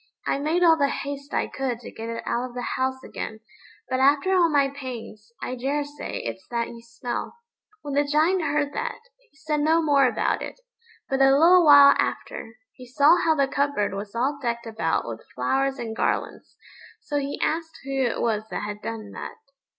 I made all the haste I could to get it out of the house again; but after all my pains, I daresay it's that you smell." When the Giant heard that, he said no more about it; but a little while after, he saw how the cupboard was all decked about with flowers and garlands; so he asked who it was that had done that?